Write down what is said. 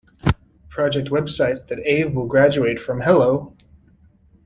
Project website, that Abe will graduate from Hello!